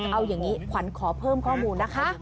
เอาอย่างนี้ขวัญขอเพิ่มข้อมูลนะคะ